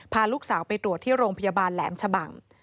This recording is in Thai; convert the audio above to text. พาลูกสาวไปตรวจที่โรงพยาบาลแหลมชะบัง